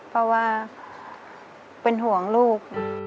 เพราะว่าเป็นห่วงลูก